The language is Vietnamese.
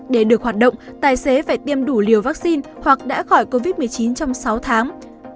để được hoạt động tài xế phải tiêm đủ liều vaccine hoặc đã khỏi covid một mươi chín trong sáu tháng